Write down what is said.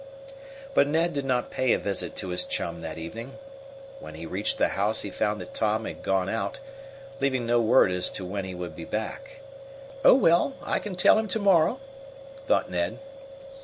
But Ned did not pay a visit to his chum that evening. When he reached the house he found that Tom had gone out, leaving no word as to when he would be back. "Oh, well, I can tell him to morrow," thought Ned.